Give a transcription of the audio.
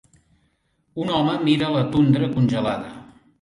Un home mira la tundra congelada.